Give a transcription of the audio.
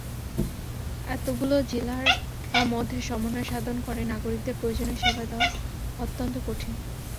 এতগুলো জেলার মধ্যে সমন্বয় সাধন করে নাগরিকদের প্রয়োজনীয় সেবা দেওয়া অত্যন্ত কঠিন।